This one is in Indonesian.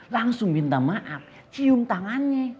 langsung minta maaf cium tangannya